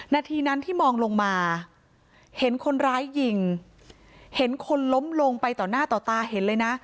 นาทีนั้นที่มองลงมาเห็นคนร้ายยิงเห็นคนล้มลงไปต่อหน้าต่อตาเห็นเลยนะ